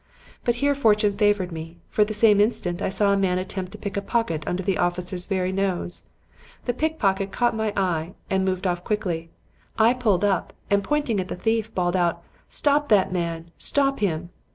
But here fortune favored me; for at the same instant I saw a man attempt to pick a pocket under the officer's very nose. The pickpocket caught my eye and moved off quickly. I pulled up, and, pointing at the thief, bawled out, 'Stop that man! Stop him!'